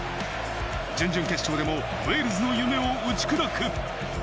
準々決勝でもウェールズの夢を打ち砕く。